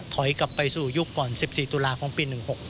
ถอยกลับไปสู่ยุคก่อน๑๔ตุลาคมปี๑๖